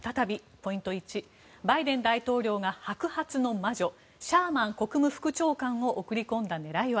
ポイント１、バイデン大統領が白髪の魔女シャーマン国務副長官を送り込んだ狙いとは。